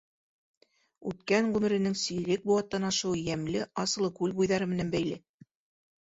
Үткән ғүмеренең сирек быуаттан ашыуы йәмле Асылыкүл буйҙары менән бәйле.